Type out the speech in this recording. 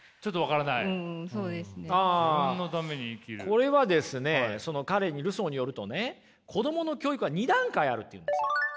これはですねルソーによるとね子供の教育は２段階あるというんですよ。